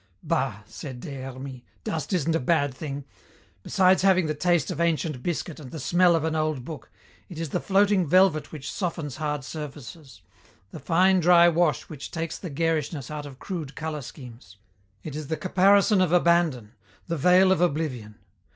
"Bah," said Des Hermies, "dust isn't a bad thing. Besides having the taste of ancient biscuit and the smell of an old book, it is the floating velvet which softens hard surfaces, the fine dry wash which takes the garishness out of crude colour schemes. It is the caparison of abandon, the veil of oblivion.